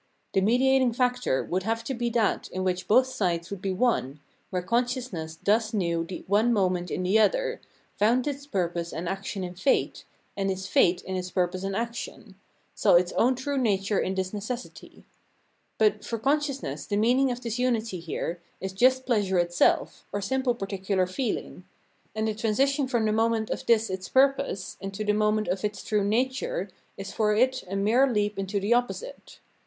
The mediating factor would have to be that in which both sides would be one, where consciousness thus knew the one moment in the other, found its purpose and action in Fate, and its fate in its purpose and action, saw its own true nature in this ^Necessity. But, for consciousness the meaning of this unity Pleasure and Necessity 355 here is just pleasure itself, or siraple particular feeling ; and the transition from the moment of this its purpose into the moment of its true nature is for it a mere leap into the opposite.